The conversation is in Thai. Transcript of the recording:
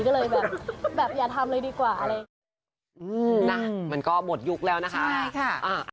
ก็เลยแบบอย่าทำเลยดีกว่า